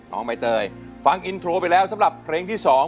น้องใบเตยฟังอินโทรไปแล้วสำหรับเพลงที่๒